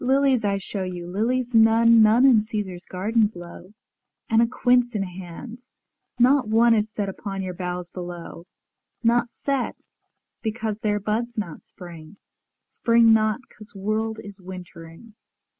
Lilies I shew you, lilies none, None in Caesar's gardens blow, ŌĆö And a quince in hand, ŌĆönot one Is set upon your boughs below; Not set, because their buds not spring; Spring not, 'cause world is wintering.